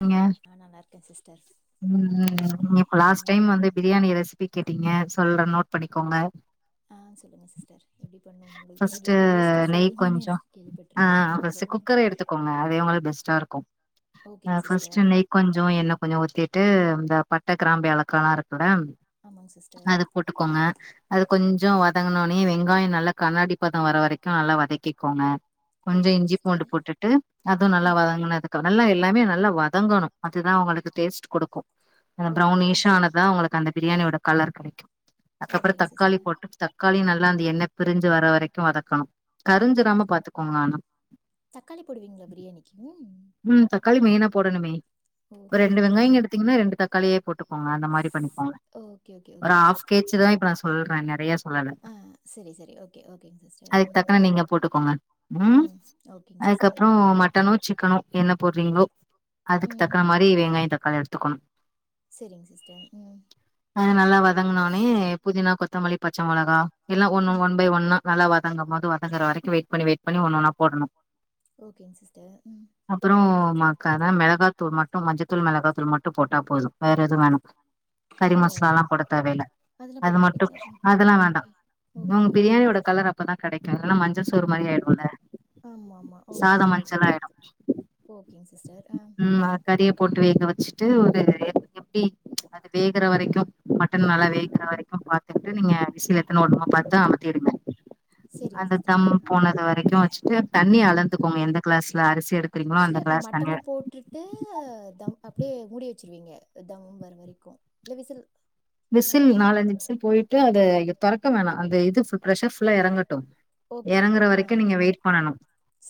நீங்க ஆ நல்லாருக்கே சிஸ்டர் ம் ம் ஓகே ம் இப்ப லாஸ் டைம் ம் வந்து பிரியாணி ரெசிபி கேட்டிங்க சொல்ற நோட் பண்ணிக்கோங்க ஆ சொல்லுங்க சிஸ்டர் எப்டி பண்ணு உங்கள் நீங்க ஃபஸ்ட்டு ஏதோ டேஸ்ட்டா நெய் செய்வீங்கன்னு கொஞ்ச எனக்கு ஆ கேள்விப்பட்ருக்கே ஃபஸ்ட்டு சொல்லுங்க குக்கர எடுத்துக்கோங்க அதே ஒங்களுக்கு பெஸ்ட்டா இருக்கு அ ஓகேங் ஃபஸ்ட்டு சிஸ்டர் நெய் கொஞ்ச எண்ணெ கொஞ்ச ஊத்திட்டு இந்த பட்ட கிராம்பு ஏலக்காலா இருக் தொடாம் ஆமாங் சிஸ்டர் அது போட்டுக்கோங்க அது கொஞ் ஜோவாத் வதங்குனோனே வெங்காய நல்லா கண்ணாடி பத வர வரைக்கு நல்லா வதக்கிக்கோங்க கொஞ்ச ஓகேங் இஞ்சி பூண்டு சிஸ்டர் போட்டுட்டு அது நல்லா ம் வதங்குனதுக்கு நல்லா எல் எல்லாமே நல்லா வதங்கணு அதுதா ஒங்களுக்கு டேஸ்ட் குடுக்கு அ ஓகே ப்ரௌனிஷ் ஓகேங் சிஸ்டர் ஆனாதா ஒங்களுக்கு அந்த பிரியாணியோட கலர் கடைக்கும் அதுக்கப்புறம் ஓகேங் தக்காளி சிஸ்டர் போட்டு தக்காளி நல்லா அந்த எண்ணெ பிரிஞ்சு வர வரைக்கும் வதக்கணும் கருஞ்சீராம ஓகே பாத்துக்கோங்க ஆனா தக்காளி போடுவீங்களா பிரியாணிக்கு ம் தக் தக்காளி மெயினா போடணுமே ஒரு ஓகே ரெண்டு ஓகே வெங்காயம் எடுத்தீங்கன்னா ரெண்டு தக் களியை போட்டுக் ஆ அந்த மாரி பண்ணிக்கோங்க ஓகே ஓகே ஒரு ஓகேங்க ஹாஃப் கே சிஸ்டர் ஜி தா இப்ப சொல்றேங்க [unintelligible] ஆ வல சரி சரி ஓகே ஓகேங்க சிஸ்டர் அதுக்கு ம் தக்குன்ன நீங்க போட்டுக்கோங்க ம் ஓகேங்க சிஸ்டர் அதுக்கப்புறம் மட்டனோ சிக்கனோ என்ன போட்றீங்களோ அதுக்கு ம் தக்கன்ன மாரி வெங்காயம் தக்காளி எடுத்துக்கணும் சரிங்க சிஸ்டர் ம் அது நல்லா வதங்னோனே புதினா கொத்தமல்லி பச்சை மிளகா எல்லாம் ஒண்ணு ம் ஒன் பை ஒன்னா நல்லா வதங்கும் போது வதங்குற வரைக்கும் வெயிட்ண்ணி வெயிட் பண்ணி ஒண்ணு ஒன்னா போடணும் ஓகேங்க சிஸ்டர் உம் உமாக்காதான் மிளகாத்தூள் மட்டும் மஞ்சத்தூள் மிளகாத்தூள் மட்டும் போட்ட போதும் வேற எதுவும் வேணாம் கறி ஓ மசாலா போட தேவயில்ல அதெல்லாம் போட அது மாட்டீங்க மட்டும் ஓகே அதெல்லாம் ஓகே வேண்டாம் உங்க ஓகே ஓகே பிரியாணியோட கலர் அப்பதான் கடைக்கும் இல்லன்னா மஞ்சள் சோறு மாரி ஆயிடும் இல்ல ஆமா ஆமா ஓகே ஓகே ஓகே ஓகேங்க சிஸ்டர் ஆ உம் கறிய போட்டு வேக வச்சிட்டு ஒரு எப்டி அது வேகுற வரைக்கும் மட்டன் நல்லா வேகுற வரைக்கும் பாத்துட்டு நீங்க விசில் எத்தன விடனுமோ பாத்து அமத்திடுங்க சரிங்க அந்த தம் சிஸ்டர் போனது வரைக்கும் வச்சு தண்ணி அளந்துக்கோங்க எந்த கிளாஸ்ல அரிசி எடுக்குறீங்களோ அந்த கிளாஸ் தண்ணிய ட்டு தம் அப்டியே மூடி வச்சிருவீங்க தம் வர வரைக்கும் இல்ல விசில் என்ன விசில் பண்ணு நாலஞ்சு விசில் போயிட்டு அத தொறக்க வேணாம் அந்த இது பிரஷர் ஃபுல்லா இறங்க டும் ஓகே ஓகே இறங்குற ஆ வரைக்கும் நீங்க வெயிட் பண்ணும்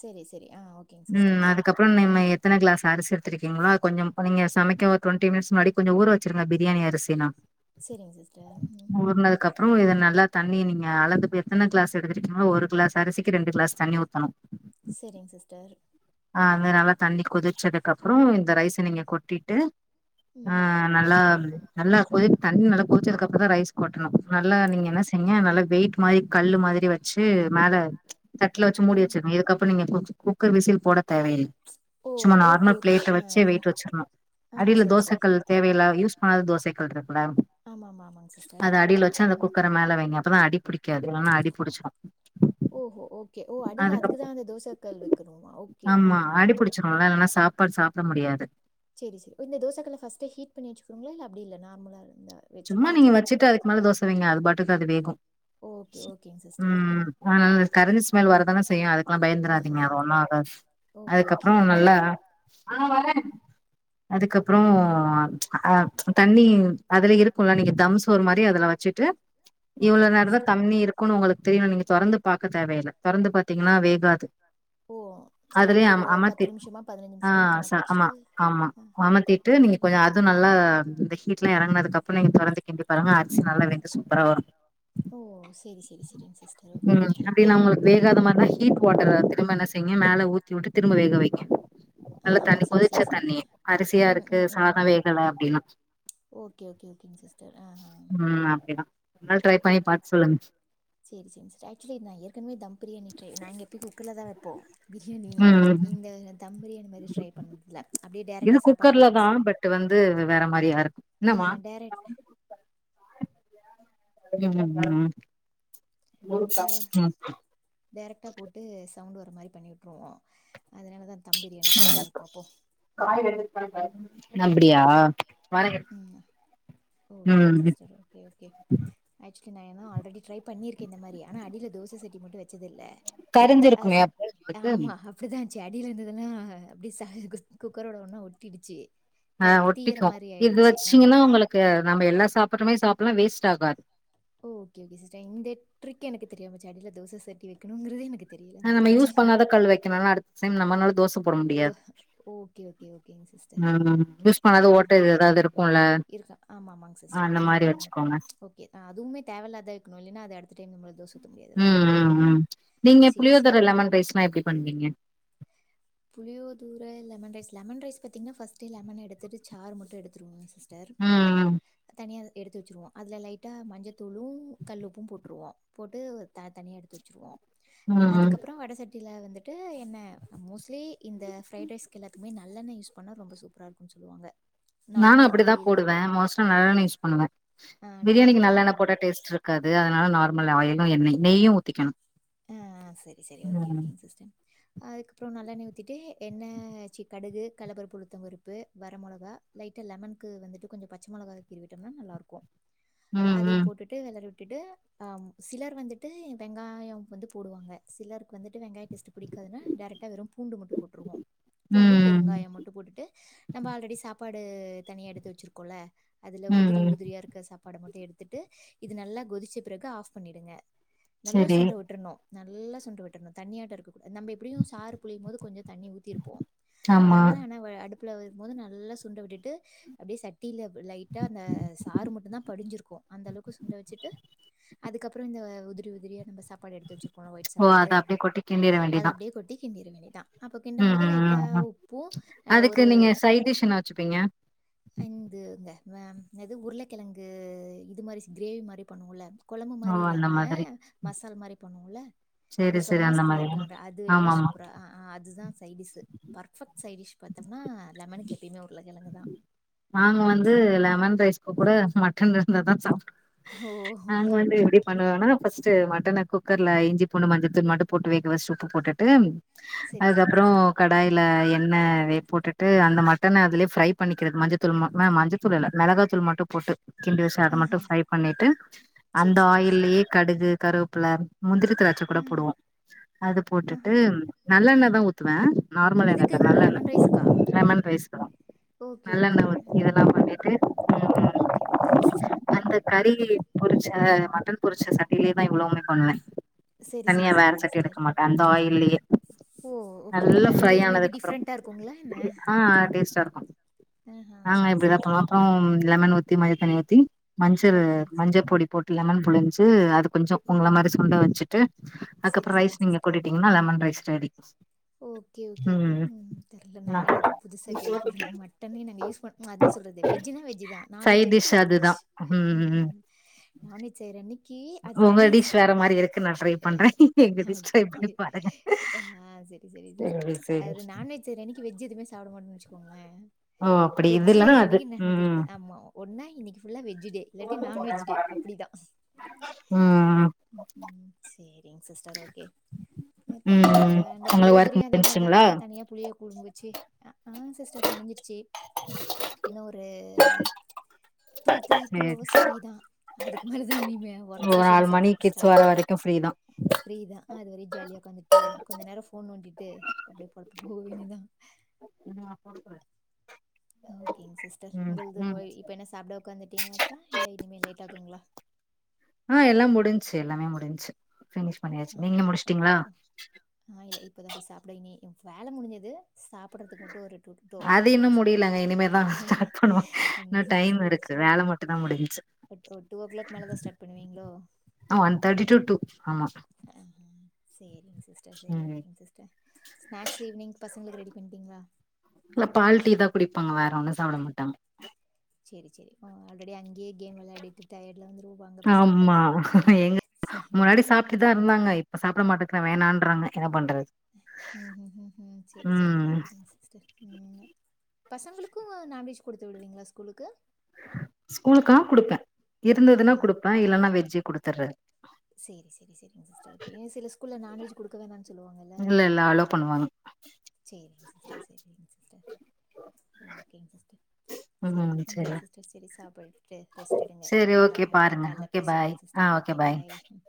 சரி சரி ஆ ஓகேங்க உம் சிஸ்டர் அதுக்கப்புறம் நம்ம எத்தனை கிளாஸ் அரிசி எ க்கீங்களா கொஞ்சம் நீங்க சமைக்க ஒரு டுவென்டி மினிட்ஸ் முன்னாடி கொஞ்ச ஊர வச்சிருங்க பிரியாணி அரிசினா சரிங்க சிஸ்டர் அப்புறம் இத நல்லா தண்ணி நீங்க அளந்து எத்தனை கிளாஸ் எடுதுருக்கீங்களோ ஒரு கிளாஸ் அரிசிக்கு ரெண்டு கிளாஸ் தண்ணி ஊத்தணும் சரிங்க சிஸ்டர் அது நல்லா தண்ணி கொதிச்சதுக்குப்புறம் இந்த ரைஸை நீங்க கொட்டிட்டு ம் ஆஹ் நல்லா நல்லா கொதி தண்ணி நல்லா கொதிச்சதுக்குப்புறம் தான் ரைஸ் கொட்டணும் நல்லா நீங்க என்ன செய்யங்க நல்லா வெயிட் மாரி கல்லு மாதிரி வச்சு மேல தட்டுல வச்சு ஆ மூடி வச்சிருனு இதுக்கப்புறம் நீங்க குக்கர் விசில் போட தேவையில்லை ஓ சும்மா ஓகே நார்மல் ஓகே பிளேட்டை ஆ வச்சு வெயிட்டு வச்சிருணும் ஆ அடியில சரி சரி தோசைக்கள் தேவையில்ல யூஸ் ஆ தோசை கல்ற லாம் ஆமாம் ஆமாம் ஆமாங்க சிஸ்டர் அது அடியில வச்சு அந்த குக்கரை மேல வை அப்பதான் அடிபுடிக் அடிபுடிக்காது இல்லைனா அடிபிடிச்சுரு ஓஹோ! ஓகே. ஓ! அடியில அதுக்கு தான் அந்த தோசை கல் வைக்கணுமா? ஓகே. ஆமா ஆஹஹா. அடிபிடிச்ச சாப்பா சொ முடியாது சரி சரி இந்தோசைக்களைஃபஸ்டே ஹீட் பண்ணி வச்சக்கோங்களா இல்ல அப்படி இல்ல நார்மலா இருந்து சும்மா நீங்க வெச்சுட்டு அதுக்கு மேல தோச வெய்யிங்க அது பாட்டுக்கு அது வேகோ ஓகே, ஓகேங்க சிஸ்டர். ஆ. உஹம் வாணலில கரஞ்ச ஸ்மெல் வரதானே செய்யு அதுக்கெல்லா ஆ, பயந்துராதீங்க ஆ. அது ஒண்ணு ஆகாது ஓகே, ஓகே. அதுக்கப்புறோ நல்லா அதுக்கப்புறோ அஹ தண்ணி அதுல இருக் லா தம்சோறு மாரி அதுல வச்சிட்டு இவ்வளவு ஓகேங்க நேரோந்தா சிஸ்டர். தண்ணி இருக்கும்னு உங்களுக்கு தெரியு நீங்க தொறந்து பாக்க தேவையில்ல தொறந்து பாத்தீங்கன்னா வேகாது ஓ! அதுலேயே நம்மளுக்கு ஒரு அமத்தி நிமிஷமா, நிமிஷமான்னு ஆஹ் சா கணக்கு ஆமா வச்சுட்டு. ஆமா ஆ. அமத்திட்டு நீங்க ஓகே. கொஞ்சோ அது நல்லா இந்த ஹீட் சுல்ல இறங்கது அப் அப்புறோ நீங்க தொறந்து கிண்டி பாருங்க அரிசி நல்லா வெந்து சூப்பரா வரோ ஓ சேரி சேரி சேரிங்க சிஸ்டர் ஓகே ஓகே ஆனா ஹீட் வாட்டர திரும்ப என்ன செய்ங்க மேல ஊத்தி விட்டு திரும்ப வேக வெய்ங்க நல்ல ஆஹா தண்ணி சேரி கொதிச்ச சேரி சேரி தண்ணி அரிசியா ம் இருக்கு ம் ம் சாதம் வேகல அப்டின்னா சேரிங்க சிஸ்டர் ஆஹஹ ம் அப்டிதா ஒரு நாள் ட்ரை ஒ பண்ணி பாத்து சொல்லுங்க சேரி சேரி ஆக்சுவலி ஏற்கனவே தம் பிரியாணி ட்ரை நாங்க எப்பயுமே குக்கர்லதா போ பிரியாணி ம் ம் இந்த தம் பிரியாணி மாரி ட்ரை பண்ணல அப்படியே இது டேரக்டா சாப்பாட குக்கர்ல போட்டு தா விசில் பட் வந்து வேற மாரியா இருக்கு என்னமா ஆஹ் டேரக்டா உம் ஆ உ டேரெக்டா போட்டு ம் சவுண்ட் வர மாரி பண்ணி வி்ட்ருவோ அதனால தா தம் பிரியாணி ட்ரை பண்ணி பாப்போ வணக்கம் நல் அப்டியா வரேங்க ம் ஆ ஓகேங் ம் சிஸ்டர் ஒக்கே ஒகே ஆக்சுவலி நா என்னா ஆல்ரெடி ட்ரை பண்ணிருக்கே இந்த மாரி ஆனா அடியில தோச சட்டி மட்டும் வெக் வெச்சதில்ல கரிஞ்சிருக்குங்க [inaudible] செர் அடில இருந்ததெல்லா அப்படி சாய் குக்கரோட ஒண்ணா ஒட்டிடுச்சு க ஆஹ் தீயிற ஒட்டிகோ மாரி இது வ ஆயிடுச்சு. ஆ ச்சீங்கன்னா உங்களுக்கு நம்ம எல்லா சாப்புறமாரி சாப்புடல்லா வேஸ்ட்டாகாது ஓகே ஒகே சிஸ்டர் இந்த டிரிக் எனக்கு தெரியாம போச்சி அடியில தோச சட்டி வெக்கணுமின்றது எனக்கு ஹ தெரியலாம நம்ம போயிடுச்சு. யூஸ் பண்ணாதா கல் வெக்கணும் அடுத்த டைம் நம்ன்னால தோச உத் தோ ஓகே ஓகே ஓகே ஓகேங்க சிஸ்டர் ம் ஒகே யூஸ் அ பண்ணாத ஓட்ட எதாவது இருக்கும்ல இருக் ஆமா ஆமாங் சிஸ்டர் அந்த மாரி ம் வச்சுக்கோங்க ஒகே அதுவுமே தேவையில்லாத இருக்கணோ இல்லன்னா ம அத அடுத்த டைம் நம்ம தோச ஊத்த முடியாது ஒகேவா ம் செ புளியோதர்ர லமெண் ரைஸ்லா எப்டி பண்ணுவீங்க புளியோ தூர லென் ரைஸ் லெமன் ரைஸ் பாத்தீங்கன்னா பர்ஸ்ட் லெமன் எடுத்துட்டு சார் மட்டு எடுத்துடுவோ சிஸ் ம் தனியா எடுத்து வெச்சுருவோ அதுல லைட்டா மஞ்சத்தூளு கல்லுப்போ போட்டுருவோ போட்டு த தனியா எடுத்து வெச்சுருவோ ம் ம் ம் அதுக்கப்புறோ வடசட் வில வந்துட்டு என்ன மோசோ லே இந்த ஃப்ரை ட்ரைஸ்க்கு எல்லாத்துக்குமே நல்லெண்ண யூஸ் பண்ணா ரொம்ப சூப்பரா இருக்கோனு சொல்லுவாங்க நானோ நார்மல் அப்படிதா ஆயிலு போடுவே மோஸ்ட்லா நல்லெண்ணெய் யூஸ் பண்ணுவே ஆ பிரியாணிக்கு நார்மல் நல்லெண்ண ஆயில் விட போட்டா டேஸ்டு இருக்காது. அதனால நார்மல் ஆயிலும்எண்ணெய் நெய்ய ஊத்திக்கணோ அ செரி செரி ஓகே ஓகேங்க சிஸ்டர் அதுக்கப்புறோ நல்லண்ணெய ஊத்திட்டு எண்ணெ சி கடுகு கல்லப்பருப்பு உளுத்தம் பருப்பு வர மிளகா லைட்டா லெமனுக்கு வந்துட்டு கொஞ்சோ பச்ச மொளகா கீறிவிட்டோம்னா நல்லாருக்கோ ம் அதையு ம் போட்டுட்டு விளறவுட் விட்டுட்டு அ சிலர் வந்துட்டு வெங்காயம் வந்து போடுவாங்க சிலருக் வந்துட்டு வெங்காயம் பிடிக்க பூண்டு மும் போட்டுவோ பூண்டும் ம் பெருங்காயம் மட்டும் போட்டுட்டு நம்ம ஆல்ரெடி சாப்பாடு தனியா எடுத்து வெச்சிருக்கோல அதுல ம் உதிரி ம் உதிரியார்க்க சாப் வட மட்டு எடுத்துட்டு இது நல்லா கொதிச்ச பிறகு ஆஃப் பண்ணிடுங்க நல்ல சரி சுண்ட வுட் நோ நல்லா சுண்ட விட்டடணோ தனியா இருக்க கூடா நம்ம எப்படியும் சாறு புழியும் போதுகொஞ்சோ தண்ணி ஊத்திருப்போ ஆமா அதனால ஆனா அடுப் ப்புல வரும்போது நல்லா சுண்ட விட்டுட்டு அப்டியே சட் ட்டியில லைட்டா அந்த சாறு மட்டு தா படிஞ்சிருக்கோ அந்த அளவுக்கு சுண்ட வெச்சுட்டு அதுக்கப்றோ இந்த உதிரி உதிரியா நம்ப சாப் படி எடுத்து வெச்சுருக் ஓ அத அப்டியே கொட்டி கிண்டிர வேண்டியதா நிறுவினிதா அப்போ கிண்ட ம் போது ம் லைட்டா ம் ம் உப்போ அ அதுக்கு ஒரு நீங்க சைட் டிஷ் என்ன வச்சுப்பீங்க ந்துங்க அ என்னாது உருளக்கெழங்கு இது மாரி கிரேவி மாரி பண்ணுவோம்ல கொழம்பு ஓ மாரி அந்த இல்லாம மாதிரி மசால் மாரி ருக்கும்ல இந்த சரி சரி அந்த சோமாஸ் குள்ள மாதிரி இருக்கும்முல அது ஆமா ஆமா சூப்பரா அதுதா சைடிஸ் பர்ஃபெக்ட் சைடிஷ் பாத்தம்னா லெமன் மணிக்கு நாங்க வந்து லெமன் ரைஸ் ப்ப கூட மட்டன் இருந்தா தா சாப் டுவோ ஓ நாங்க ஓகே வந்து ஓகே எப்டி ஓகே பண்ணுவோனா ஃபர்ஸ்ட்டு மட் குக்கர்ல இஞ்சி பூண்டு மஞ்ச தூள் மட்டும் போட்டு வேக வெச்சிட்டு உப்பு போட்டுட்டு சரி சரிங்க அதுக்கப்றம் சிஸ்டர் கடாயில எண் ணெ வே போட்டுட்டு அந்த மட்டனை அதுலய ஃப்ரை பண்ணிக்கிறது மஞ்சத்தூள் ம மஞ்சத்தூள் இல்ல மிளகா தூள் மட்டும் போட்டு கிண்டி வச்சு அத ஆ மட்டும் ஃப்ரை பண்ணிட்டு அந்த சரி சரிங்க சிஸ்டர் ஆயில்லேயே கடுகு கருவப்புள்ள முந்திரி திராட்சை கூட போடுவோம் அது போட்டுட்டு நல்லெண்ண இ தான் ஊத்துவேன் நார்மல் எண்ணெல்ல இதுக்குங்களா நல்லெண்ண லெமன் ரைஸ்க்கா தான் லெமன் ரைஸ்க்கெல்லாம் ஓகே ஓகே நல்லெண்ணெ இதெல்லாம் எத்து ஓகே கறி பொரிச்ச மட்டன் பொரிச்ச சட்டிலே தான் இவ்வளவுமே பண்ணேன் சரி தனியா சரி வேற சரிங்க சட்டி எடுக்க சிஸ்டர் மாட்டேன் அந்த ஆயில்யே ஓ ஓகே ஓகே நல்லா அது ஃப்ரை எது மேபி ஆனதுக்கு அப்றம் டிஃப்ரெண்ட்டாக இருக்குங்களா என்ன ஆஹ் டேஸ்ட்டா இருக்கும் ஆஹா நாங்க சரி சரி இப்படிதான் சரிங்க பாப்புறம் லெமன் ஊத்தி மயி தண்ணி ஊத்தி மஞ்சள் ஓகேங்க மஞ்சள் பொடி போட் லெமன் புழிஞ்சு அது கொஞ்சம் உங்கள மாதிரி சுண்ட வச்சுட்டு சரி அதுக்கப்புறம் ரைஸ் சரிங்க நீங்க சிஸ்டர் கொட்டிடீங்கன்னா லெமன் ரைஸ் ரெடிஸ் ஓகே ஓகே ம்ம் தெரல நான இது புதுசா கேள்விபரன் நாங்க மட்டன்னே நாங்க யூஸ் பண் அதுதான் சொல்றது வெஜ்ஜுன்னா வெஜ் தான் நான்வெஜ் சைட் அன்னைக்கு டிஷ் அதுதா நான்வெஜ் ம் நான்வெஜ் செய்ற அன்னைக்கு அது உங்க தனி ஸ் டிஷ் வேற மாரி இருக்கு நான் ட்ரை பண்றேன் எங்க டிஷ் ஓகே, ட்ரை ஓகே. பண்ணி பாருங்க ஆ சரி, சரி சிஸ் சேரி சேரி அது நான்வெஜ் அன்னைக்கு வெஜ் எதுவுமே சாப்பிட மாட்டேம்னு வச்சுோங்களன் ஓ அப்டி இது வெஜ் இல்லன்னா அது செய்றனைக்கு நான் வெஜ் ம் இருக்கு ஆமா ஒன்னாய் இன்னைக்கு ஃபுல்லா வெ ஜ் டே இல்லாட்டி நான் வெட்ஜ் டே அப்டிதா ம் உம் உம் செரி ஓகேங்க சிஸ்டர் ஓகே பாப்போம் ம் இந்த உங்களுக்கு ஒர்க் புளியோதரையே அதே மாரிான் முடிஞ்சுங்களா தனியா புளியை குடு வச்சு ஆ சிஸ்டர்க்கு முடிஞ்சிருச்சு இன்னும் ஒரு டூ த்ரீ டூ சேரி ஹவர்ஸ் பிரீ தான் அதுக்கு மேல தான் இனிமே ஒர்க் ஒரு செஷன் ஆறு சா மணி கிட்ஸ் வர ஸ்டார்ட்டு வரைக்கும் ஃப்ரீதான் ஃப்ரீ தா அது வரையும் ஜாலியா உக்காந்துட்டு கொஞ்ச நேரம் ஃபோ போண ணோண்டிட்டு அப்படியே புறப்பட்டு போ வேண்டித்தா [unintelligible] ஓகேங்க சிஸ்டர் உங்களது ம் மொய் இப்ப என்ன சாப்பிட உட்காந்துட்டீங்காச்சா இல்ல இனிமே லேட் ஆகுங்களா ஆ எல்லா முடிஞ்ச்சு எல்லாமே முடிஞ்ச்சு பினிஷ் பண்ணியாச்சு நீங்க முடிச்சுட்டீங்களா அப்புறம் இனி வேல முடிஞ்சது சாப்பிடறதுக்கு மட்டும் ஒரு டூ ஓ கிளாக் அது மேல இன்னு போய் சாப்புடனும் முடியலங்க இனிமேதா ஸ்டார்ட் பண்ணுவோ இன்னு ம் டைம் சேரி இருக்கு சேரி வேல மட்டுந்தா முடிஞ்ச்சு டூ ஓ கிளாக் மேலதா ஸ்டார்ட் பண்ணுவீங்களோ ஒன் தேர்ட்டி டு டூ ஆமா ஆ அ சேரி சரிங்க சிஸ்டர் சரி ம் ஓகே சிஸ்டர் ஸ்நாக்ஸ் ஈவினிங் பசங்களுக்கு ரெடி பண்டீங்களா இல்ல பால் டீ தா குடிப்பாங்க வேற ஒண்ணு சாப்பிட மாட்டாங்க சரி சரி ஆல்ரெடி அங்கேய கேம் விளாடிட்டு டயர் ஆமா எங்க சரி. முன்னாடி சாப்பிட்டுதா இருந்தாங்க இப்ப சாப்பிட மாட் வேணான்றாங்க என்ன பண்றது உம் உம் சரி சரி ம் சரி சிஸ்டர் உம் பசங்களுக்கு நான்வெஜ் கொடுத்து விடுவீங்களா ஸ்கூலுக்கு ஸ்கூலுக்காக குடுப்பே இருந்ததுன்னா கொடுப்பே இல்லன்னா வெஜ்ஜு குடுத்துற சரி சரி சரி சிஸ்டர் சில ஸ்கூல்ல நான்வெஜ் கொடுக்க வேணானு சொல்லுவா இல்ல இல்ல அல்லோ பண்ணுவாங்க சரிங்க சிஸ்டர் சரிங்க சிஸ்டர் ஓகேங்க சிஸ்டர் சரி ம் சேரி சிஸ்டர் சரி சாப்பட்டுட்டு ரெஸ்ட் எடுங்க சேரி நம்ம ஓகே அடுத்த பாருங்க கால்ல ஓகே பாய் பேசுவோம் ஆ சிஸ்டர் ஓகே பாய் ம்